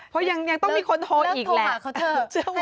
เพราะยังต้องมีคนโทรอีกแหละเลิกโทรหาเขาเถอะ